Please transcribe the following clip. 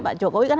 pak jokowi kan